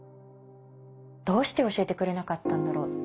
どうして教えてくれなかったんだろう？